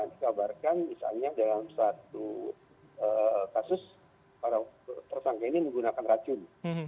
dikabarkan misalnya dalam satu kasus para tersangka ini menggunakan racun